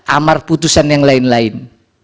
amar putusan yang lain lain